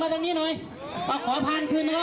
มาทางนี้หน่อยมาทางนี้หน่อย